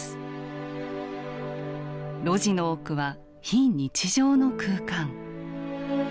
露地の奥は非日常の空間。